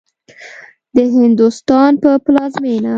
د هندوستان په پلازمېنه